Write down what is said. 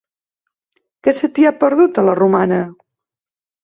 Què se t'hi ha perdut, a la Romana?